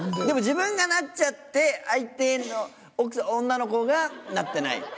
でも自分がなっちゃって相手の女の子がなってない。